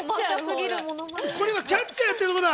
これはキャッチャーやってるところだ。